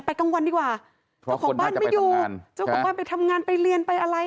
กลางวันดีกว่าเจ้าของบ้านไม่อยู่เจ้าของบ้านไปทำงานไปเรียนไปอะไร